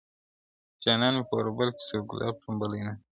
• جانان مي په اوربل کي سور ګلاب ټومبلی نه دی,